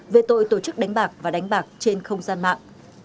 về tội tổ chức đánh bạc và đánh bạc trên không gian mạng